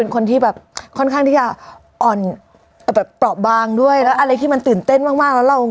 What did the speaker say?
คนที่แบบค่อนข้างที่จะอ่อนแบบเปราะบางด้วยแล้วอะไรที่มันตื่นเต้นมากมากแล้วเรา